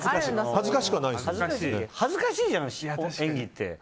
恥ずかしいじゃん、演技って。